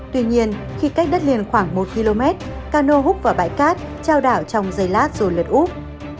tuy nhiên khi cách đất liền khoảng một km cano hút vào bãi cát trao đảo trong dây lát rồi lật úp